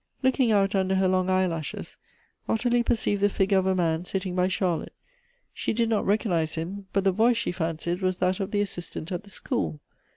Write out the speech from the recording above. Looking out under her long eye lashes, Ottilie j)ereeived the figure of a man sitting by Charlotte. She di<l not recognize him ; but the voice she fancied was that of the assistant at the school.